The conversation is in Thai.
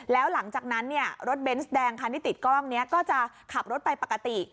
แล้วหลังจากนั้นเนี่ยรถเบนส์แดงคันที่ติดกล้องนี้ก็จะขับรถไปปกติ